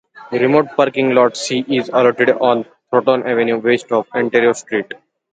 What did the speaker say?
Remote Parking Lot C is located on Thornton Avenue west of Ontario Street.